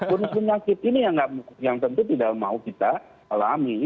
kondisi penyakit ini yang tentu tidak mau kita alami